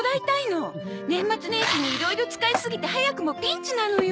年末年始にいろいろ使いすぎて早くもピンチなのよ。